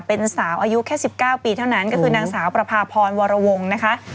เป็นสาวอายุแค่๑๙ปีเท่านั้นก็คือนางสาวประพาพรวรวงนะคะ